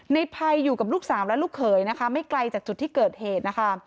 ในภัยอยู่กับลูกสาวและลูกเขยนะคะไม่ไกลจากจุดที่เกิดเหตุนะคะ